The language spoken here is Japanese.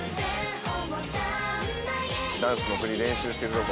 ダンスの振り練習してるとこ。